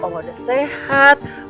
oma udah sehat